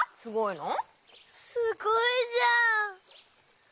すごいじゃん。